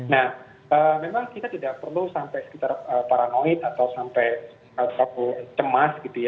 nah memang kita tidak perlu sampai sekitar paranoid atau sampai cemas gitu ya